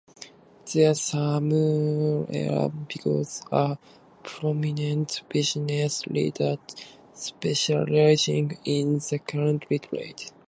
There Samuel became a prominent business leader specializing in the currency trade.